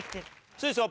そうですよ